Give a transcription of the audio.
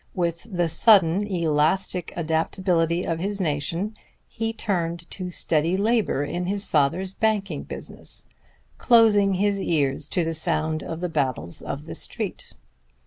With the sudden, elastic adaptability of his nation he turned to steady labor in his father's banking business, closing his ears to the sound of the battles of the Street.